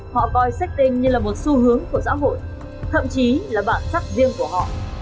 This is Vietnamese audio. họ coi sách tinh như là một xu hướng của xã hội thậm chí là bản sắc riêng của họ